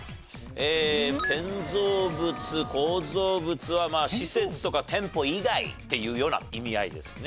建造物・構造物は施設とか店舗以外っていうような意味合いですね。